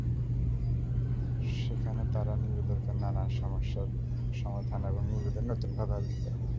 সেখানে তাঁরা নিজেরদের নানা সমস্যার সমাধান এবং নিজেদের নতুন ভাবে আবিষ্কার করে।